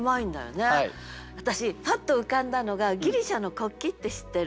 私パッと浮かんだのがギリシャの国旗って知ってる？